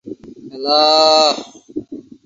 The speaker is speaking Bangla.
টেবিলে হাতলভাঙা দুধের জগে ফুলের তোড়া।